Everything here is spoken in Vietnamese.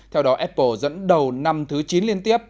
theo đó apple dẫn đầu năm thứ chín liên tiếp